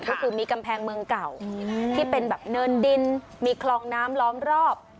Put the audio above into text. ก็คือมีกำแพงเมืองเก่าที่เป็นแบบเนินดินมีคลองน้ำล้อมรอบ